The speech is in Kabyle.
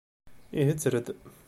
Ihi tter-d!